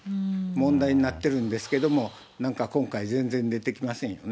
問題になってるんですけども、なんか今回、全然出てきませんよね。